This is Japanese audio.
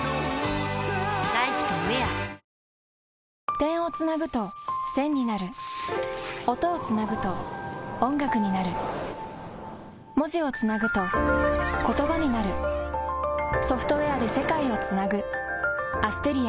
点をつなぐと線になる音をつなぐと音楽になる文字をつなぐと言葉になるソフトウェアで世界をつなぐＡｓｔｅｒｉａ